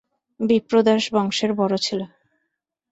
বিপ্রদাস বংশের বড়ো ছেলে।